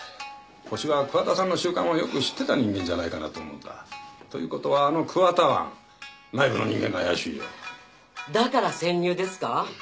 ホシは桑田さんの習慣をよく知ってた人間じゃないかなと思うんだということはあの桑田庵内部の人間が怪しいよだから潜入ですか？